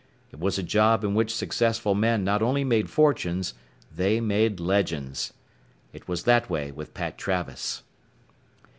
It was a job in which successful men not only made fortunes, they made legends. It was that way with Pat Travis.